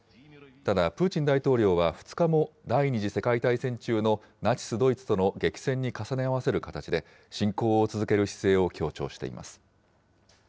ただ、プーチン大統領は２日も第２次世界大戦中のナチス・ドイツとの激戦に重ね合わせる形で、侵攻を続ける姿勢を強調しています。